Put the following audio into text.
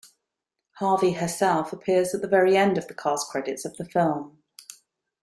Harvey herself appears at the very end of the cast credits of the film.